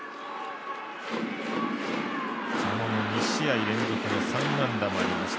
茶野も２試合連続の３安打もありました。